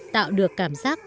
tạo được cảm giác